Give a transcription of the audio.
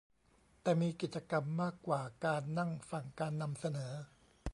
แต่มีกิจกรรมมากกว่าการนั่งฟังการนำเสนอ